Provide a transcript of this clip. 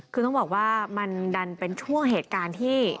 คือต้องบอกว่ามันดันเป็นช่วงเหตุการณ์ที่